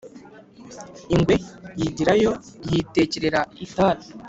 ingwe yigirayo, yitekerera itabi.